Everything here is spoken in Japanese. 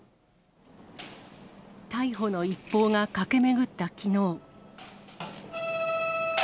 逮捕の一報が駆け巡ったきのう。